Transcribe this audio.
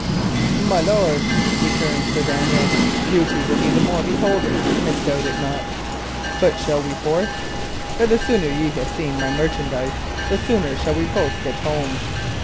"My lord," returned Sir Daniel, "beauty will be the more beholden, misdoubt it not. But shall we forth? for the sooner ye have seen my merchandise, the sooner shall we both get home."